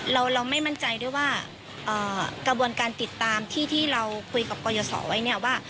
เราไม่มั่นใจด้วยว่ากระบวนการติดตามที่เราคุยกับกรยศไว้เนี่ยว่า